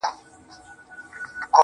هر انسان ځانګړی فکر لري.